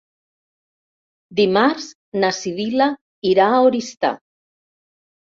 Dimarts na Sibil·la irà a Oristà.